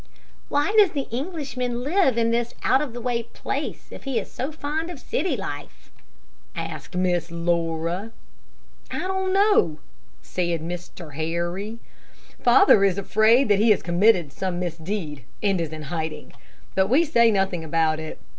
"Why does the Englishman live in this out of the way place, if he is so fond of city life?" said Miss Laura. "I don't know," said Mr. Harry. "Father is afraid that he has committed some misdeed, and is in hiding; but we say nothing about it.